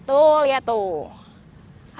tuh liat tuh